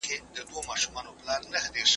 موږ به په راتلونکي کې نور ښوونځي هم جوړ کړو.